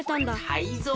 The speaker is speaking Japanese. タイゾウ？